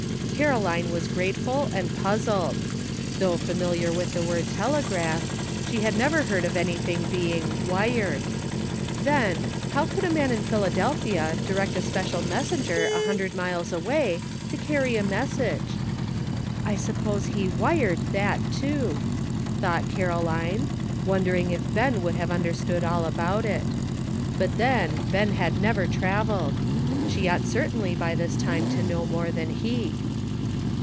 Caroline was grateful and puzzled. Though familiar with the word telegraph, she had never heard of anytliing being "wired." Then, how could a man in Philadelphia direct a special messenger a hundred miles away to carry a message? A NEW FRIEND. 81 " I suppose he ' wired ' that too," thought Caroline, wondering if Ben would have under stood all about it. But then, Ben had never traveled ; she ought certainly by this time to know more than he.